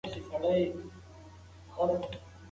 نوی ژوند نويو فکرونو ته اړتيا لري.